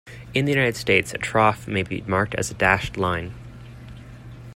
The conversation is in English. In the United States, a trough may be marked as a dashed line.